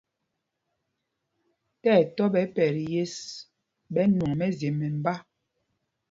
Ti ɛtɔ́ ɓɛ̌ pɛt yes ɓɛ nwɔŋ mɛzye mɛmbá.